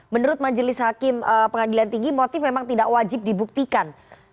menurut majelis hakim pengadilan tinggi motif memang tidak wajib dibuktikan